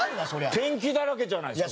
「ペンキだらけじゃないですか」